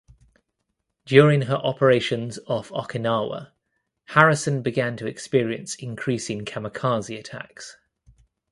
During her operations off Okinawa "Harrison" began to experience increasing kamikaze attacks.